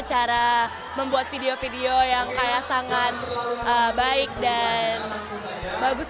cara membuat video video yang kaya sangat baik dan bagus